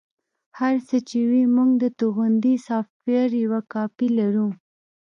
هر څه چې وي موږ د توغندي سافټویر یوه کاپي لرو